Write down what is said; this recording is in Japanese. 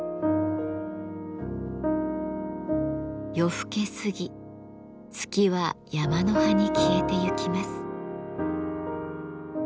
夜更け過ぎ月は山の端に消えてゆきます。